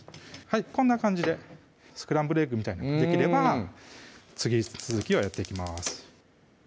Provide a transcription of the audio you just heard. こんな感じでスクランブルエッグみたいなのができれば次続きをやっていきます